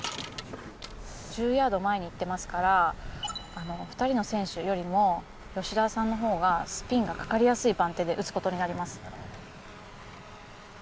１０ヤード前に行ってますから２人の選手よりも吉田さんのほうがスピンがかかりやすい番手で打つことになります。